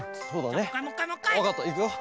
わかったいくよ。